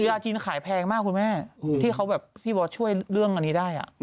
ราจีนขายแพงมากคุณแม่ที่เขาแบบพี่บอสช่วยเรื่องอันนี้ได้